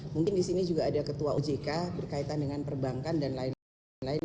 mungkin di sini juga ada ketua ojk berkaitan dengan perbankan dan lain lain